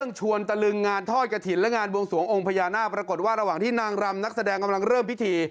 ชวนตะลึงงานทอดกระถิ่นและงานบวงสวงองค์พญานาคปรากฏว่าระหว่างที่นางรำนักแสดงกำลังเริ่มพิธี